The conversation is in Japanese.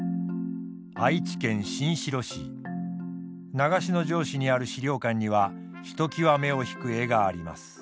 長篠城址にある資料館にはひときわ目を引く絵があります。